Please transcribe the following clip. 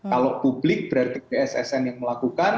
kalau publik berarti bssn yang melakukan